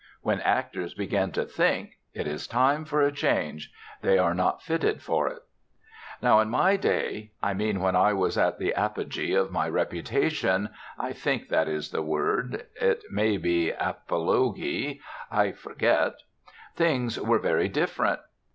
When actors begin to think, it is time for a change. They are not fitted for it. Now in my day I mean when I was at the apogee of my reputation (I think that is the word it may be apologee I forget) things were very different.